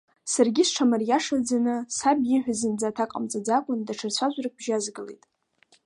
Саргьы сҽамариашаӡаны саб ииҳәаз зынӡа аҭак ҟамҵаӡакәан, даҽа цәажәарак бжьазгалеит.